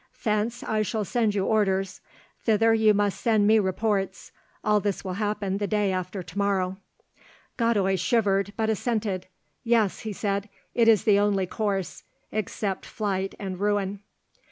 Thence I shall send you orders; thither you must send me reports. All this will happen the day after to morrow." Godoy shivered, but assented. "Yes," he said; "it is the only course, except flight and ruin."